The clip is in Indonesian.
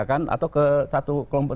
atau ke satu kelompok